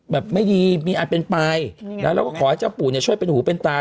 แบบไม่ดีมีอันเป็นไปแล้วแล้วก็ขอให้เจ้าปู่เนี่ยช่วยเป็นหูเป็นตา